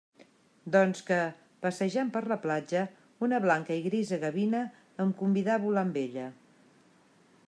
Doncs que, passejant per la platja, una blanca i grisa gavina em convidà a volar amb ella.